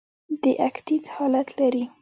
د اکتیت حالت لري.